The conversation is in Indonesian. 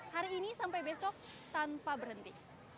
hari ini sampai besok tanpa berhenti